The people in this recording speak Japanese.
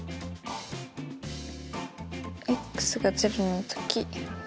が０のとき４。